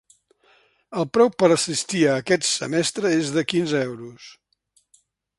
El preu per assistir a aquest semestre és de quinze euros.